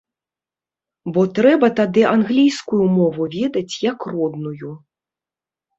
Бо трэба тады англійскую мову ведаць як родную.